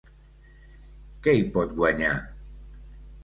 Què hi pot guanyar?